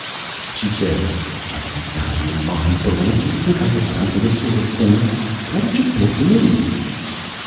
She said, "Are you out of your mind, Barrent? Do you think I have time for this sort of thing? Why did you pick me?"